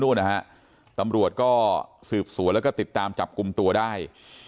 นะฮะตำรวจก็สืบสวนแล้วก็ติดตามจับกลุ่มตัวได้